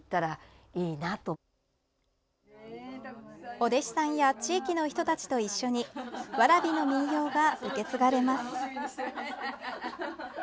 お弟子さんや地域の人たちと一緒に蕨の民謡が受け継がれます。